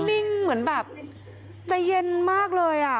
นิ่งเหมือนแบบใจเย็นมากเลย